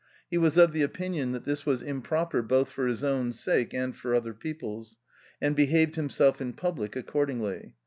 He was of the opinion that this was im proper both for his own sake, and for other people's, and behaved himself in public accordingly.